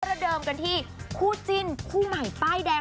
ระเดิมกันที่คู่จิ้นคู่ใหม่ป้ายแดง